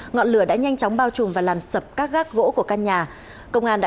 ngọn lửa đã nhanh chóng bao trùm và làm sập các gác gỗ của căn nhà